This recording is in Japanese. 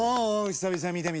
久々見てみて。